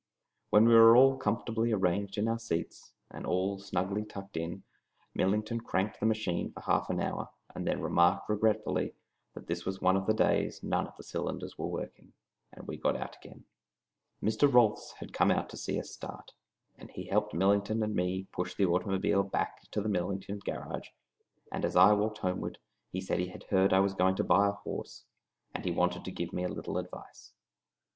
When we were all comfortably arranged in our seats, and all snugly tucked in, Millington cranked the machine for half an hour, and then remarked regretfully that this was one of the days none of the cylinders was working, and we got out again. Mr. Rolfs had come out to see us start, and he helped Millington and me push the automobile back to the Millington garage; and as I walked homeward he said he had heard I was going to buy a horse, and he wanted to give me a little advice.